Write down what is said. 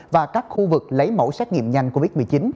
và các khu vực lấy mẫu xét nghiệm nhanh covid một mươi chín